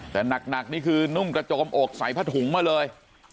แต่หนักนี่คือนุ่งกระโจมอกใส่ผ้าถุงมาเลย